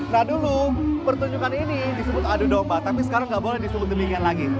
nah dulu pertunjukan ini disebut adu domba tapi sekarang nggak boleh disebut demikian lagi